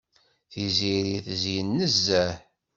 Tiziri tezyen nezzeh.